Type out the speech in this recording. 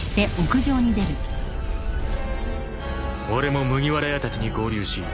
［俺も麦わら屋たちに合流し